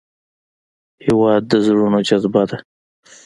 هېواد د زړونو جذبه ده.